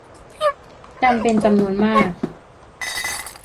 กันเป็นจำนวนมาก